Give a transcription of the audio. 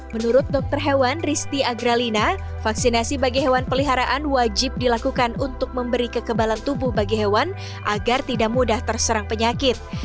menurut dokter hewan risti agralina vaksinasi bagi hewan peliharaan wajib dilakukan untuk memberi kekebalan tubuh bagi hewan agar tidak mudah terserang penyakit